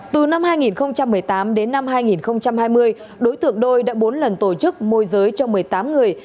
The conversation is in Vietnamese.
từ năm hai nghìn một mươi tám đến năm hai nghìn hai mươi đối tượng đôi đã bốn lần tổ chức môi giới cho một mươi tám người